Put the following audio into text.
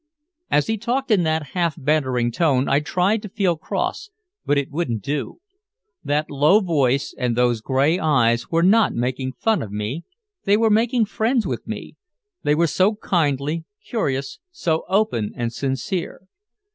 As he talked in that half bantering tone I tried to feel cross, but it wouldn't do. That low voice and those gray eyes were not making fun of me, they were making friends with me, they were so kindly, curious, so open and sincere.